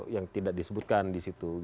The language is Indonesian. yang tidak disebutkan di situ